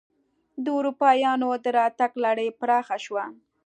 د اروپایانو دراتګ لړۍ پراخه شوه.